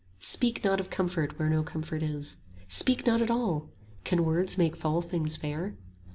Speak not of comfort where no comfort is, Speak not at all: can words make foul things fair?